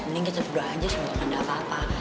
mending kita berdua aja semoga tanda apa apa